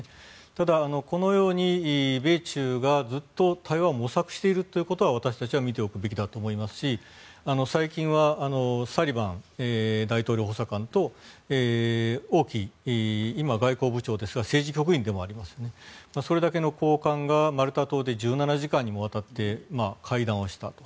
ただ、このように米中がずっと台湾を模索しているということは私たちは見ておくべきだと思いますし最近はサリバン大統領補佐官と王毅、今は外交部長ですが政治局員でもありますね。それだけの高官がマルタ島で１７時間にもわたって会談をしたと。